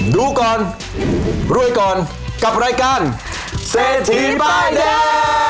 ดูก่อนรวยก่อนกับรายการเศรษฐีป้ายแดง